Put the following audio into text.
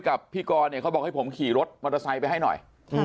ก็มีใครบ้าง